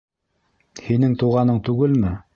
Һинең туғаның түгелме?